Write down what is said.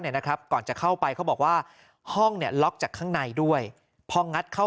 นะครับก่อนจะเข้าไปเขาบอกว่าห้องเนี่ยล็อกจากข้างในด้วยพองัดเข้า